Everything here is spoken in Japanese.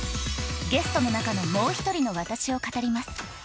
ゲストの中の「もうひとりのワタシ。」を語ります